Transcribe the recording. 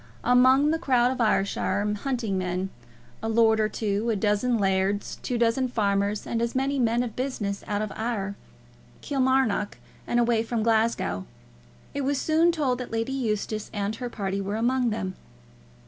Among the crowd of Ayrshire hunting men, a lord or two, a dozen lairds, two dozen farmers, and as many men of business out of Ayr, Kilmarnock, and away from Glasgow, it was soon told that Lady Eustace and her party were among them.